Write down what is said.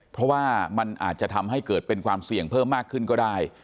เพราะว่ามันอาจจะทำให้เกิดเป็นความเสี่ยงเพิ่มมากขึ้นก็ได้